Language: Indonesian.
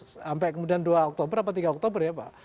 sampai kemudian dua oktober atau tiga oktober ya pak